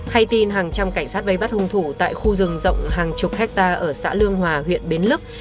hay tin hàng trăm cảnh sát vây bắt hung thủ tại khu rừng rộng hàng chục hectare ở xã lương hòa huyện bến lức